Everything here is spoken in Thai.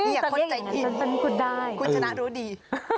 ใจหินคุณชนะรู้ดี